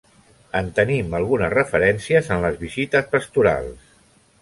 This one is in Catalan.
En tenim algunes referències en les visites pastorals.